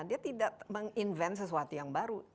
dia tidak menginven sesuatu yang baru